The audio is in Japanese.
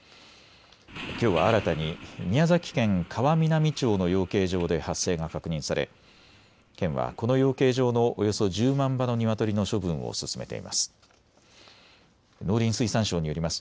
きょうは新たに宮崎県川南町の養鶏場で発生が確認され県はこの養鶏場のおよそ１０万羽のニワトリの処分を進めています。